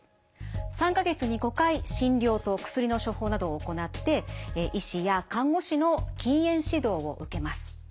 ３か月に５回診療と薬の処方などを行って医師や看護師の禁煙指導を受けます。